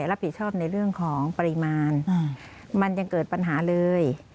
รับผิดชอบในเรื่องของปริมาณมันยังเกิดปัญหาเลย